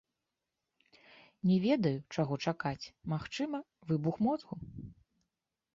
Не ведаю, чаго чакаць, магчыма, выбух мозгу.